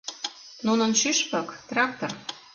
Нунын шӱшпык — трактор.